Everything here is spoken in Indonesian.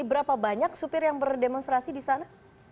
berapa banyak supir yang berdemonstrasi di sana